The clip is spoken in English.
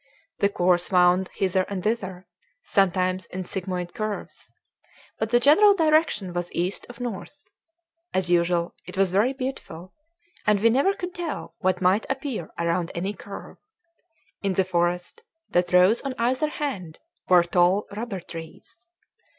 The course wound hither and thither, sometimes in sigmoid curves; but the general direction was east of north. As usual, it was very beautiful; and we never could tell what might appear around any curve. In the forest that rose on either hand were tall rubber trees.